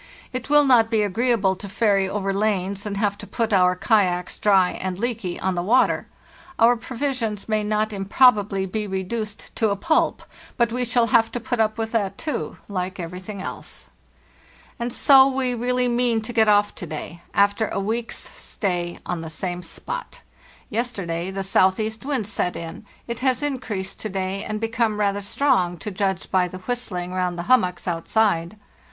It will not be agreeable to ferry over lanes and have to put our kayaks dry and leaky on the water. Our provisions may not improbably be reduced to a pulp; but we shall have to put up with that, too, like everything else. "And so we really mean to get off to day, after a week's stay on the same spot. Yesterday the southeast wind set in; it has increased to day and become rather strong, to judge by the whistling round the hummocks outside.